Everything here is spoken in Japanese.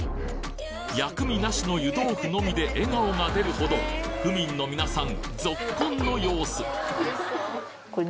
薬味なしの湯豆腐のみで笑顔が出るほど府民の皆さん